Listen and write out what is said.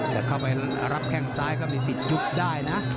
แต่เข้าไปรับแข้งซ้ายก็มีสิทธิ์ยุบได้นะ